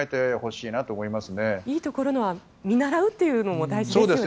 いいところは見習うというのも大事ですよね。